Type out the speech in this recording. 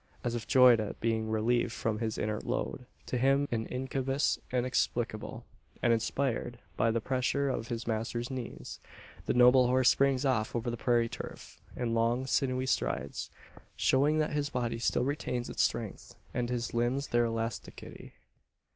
As if joyed at being relieved from his inert load to him an incubus inexplicable and inspired by the pressure of his master's knees, the noble horse springs off over the prairie turf in long sinewy strides, showing that his body still retains its strength, and his limbs their elasticity.